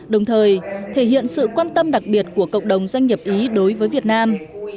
đồng thời thể hiện sự quan tâm đặc biệt của cộng đồng doanh nghiệp ý đối với việt nam